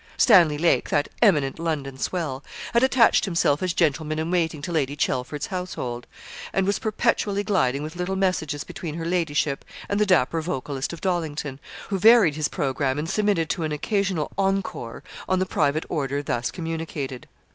Stanley Lake, that eminent London swell, had attached himself as gentleman in waiting to Lady Chelford's household, and was perpetually gliding with little messages between her ladyship and the dapper vocalist of Dollington, who varied his programme and submitted to an occasional encore on the private order thus communicated.